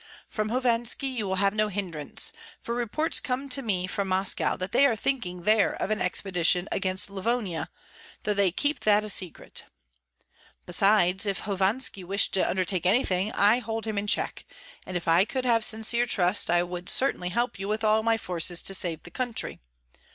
From Hovanski you will have no hindrance, for reports come to me from Moscow that they are thinking there of an expedition against Livonia, though they keep that a secret. Besides, if Hovanski wished to undertake anything I hold him in check, and if I could have sincere trust I would certainly help you with all my forces to save the country.